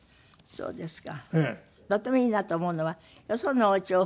そうですね。